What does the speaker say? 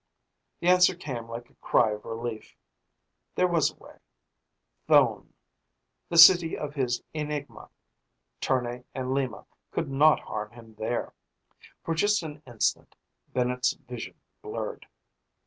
The answer came like a cry of relief. There was a way Thone! The city of his enigma. Tournay and Lima could not harm him there. For just an instant, Bennett's vision blurred.